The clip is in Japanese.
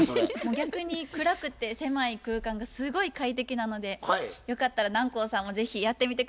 逆に暗くて狭い空間がすごい快適なのでよかったら南光さんも是非やってみて下さい。